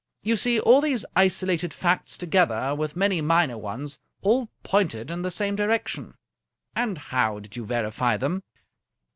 You see all these isolated facts, together with many minor ones, all pointed in the same direction." " And how did you verify them